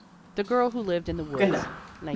The Girl Who Lived in the Woods, 1910.